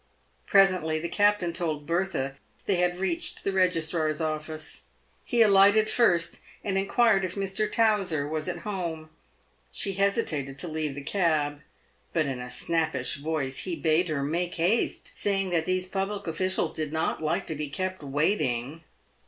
Presently the captain told Bertha they^ had reached the Eegistrar's Office. He alighted first, and inquired if Mr. Towser was at home. She hesitated to leave the cab, but in a snappish voice he bade her make haste, saying that these public officials did not like to be kept waiting.